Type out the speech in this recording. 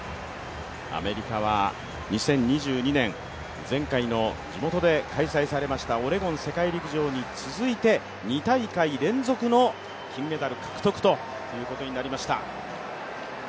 アメリカは２０２２年前回の地元で開催されましたオレゴン世界陸上大会に続いて２大会連続の金メダル獲得ということになりました。